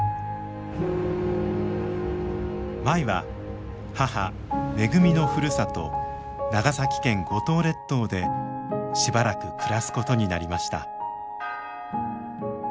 舞は母めぐみのふるさと長崎県五島列島でしばらく暮らすことになりました。